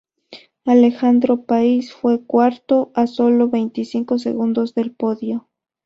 Alejandro Pais fue cuarto a solo veinticinco segundos del podio.